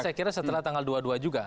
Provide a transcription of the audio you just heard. dan saya kira setelah dua puluh dua juga